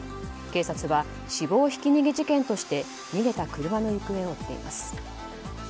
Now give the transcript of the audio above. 警察は死亡ひき逃げ事件として逃げた車の行方を追っています。